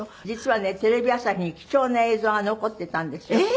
実はねテレビ朝日に貴重な映像が残ってたんですよ。